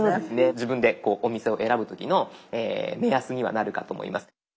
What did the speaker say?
自分でお店を選ぶ時の目安にはなるかと思います。